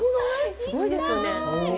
すごいですよね。